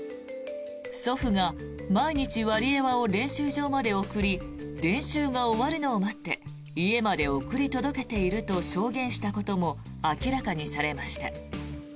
祖父が毎日、ワリエワを練習場まで送り練習が終わるのを待って家まで送り届けていると証言したことも明らかにされました。